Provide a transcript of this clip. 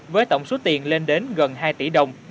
với tổng số tiền lên đến gần hai tỷ đồng